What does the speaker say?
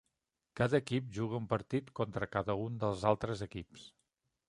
Cada equip juga un partit contra cada un dels altres equips.